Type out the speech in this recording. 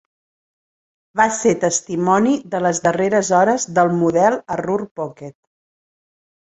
Va ser testimoni de les darreres hores del Model a Ruhr Pocket.